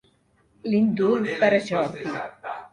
L'indult per a Jordi.